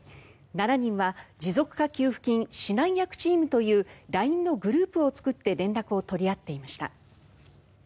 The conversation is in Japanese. ７人は持続化給付金指南役チームというＬＩＮＥのグループを作って連絡を取り合っていました。